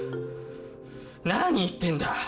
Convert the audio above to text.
何言ってんだ。